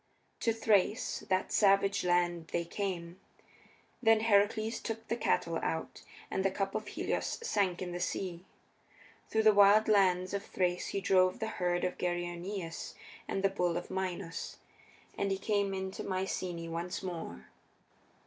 To Thrace, that savage land, they came. Then Heracles took the cattle out, and the cup of Helios sank in the sea. Through the wild lands of Thrace he drove the herd of Geryoneus and the bull of Minos, and he came into Myceaæ once more.